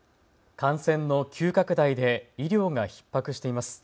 感染の急拡大で医療がひっ迫しています。